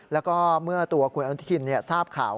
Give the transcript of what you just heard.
แล้วก็เมื่อตัวคุณอนุทินทราบข่าว